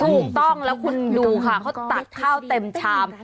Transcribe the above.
ถูกต้องแล้วคุณดูค่ะเขาตักข้าวเต็มชาม